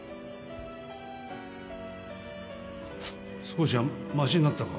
少しはましになったか？